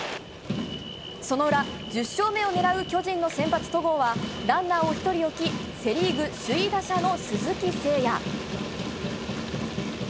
その裏、１０勝目を狙う巨人の先発、戸郷はランナーを１人置きセ・リーグ首位打者の鈴木誠也。